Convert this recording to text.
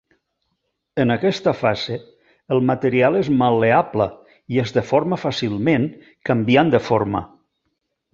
En aquesta fase el material és mal·leable i es deforma fàcilment, canviant de forma.